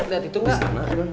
lihat itu gak